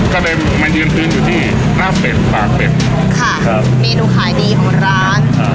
ก็เลยมายืนพื้นอยู่ที่หน้าเป็ดปากเป็ดค่ะครับเมนูขายดีของร้านอ่า